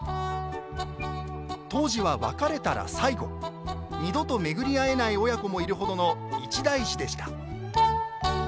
当時は別れたら最後二度と巡り合えない親子もいるほどの一大事でした。